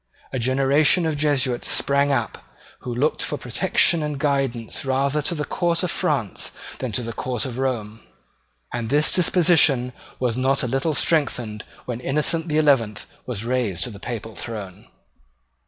A generation of Jesuits sprang up, who looked for protection and guidance rather to the court of France than to the court of Rome; and this disposition was not a little strengthened when Innocent the Eleventh was raised to the papal throne.